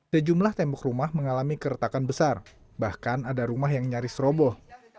sejumlah tembok rumah mengalami keretakan besar bahkan ada rumah yang nyaris roboh